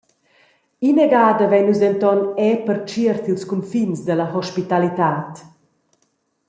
Ina gada vein nus denton era pertschiert ils cunfins dalla hospitalitad.